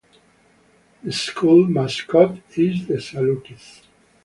The school mascot is the Salukis.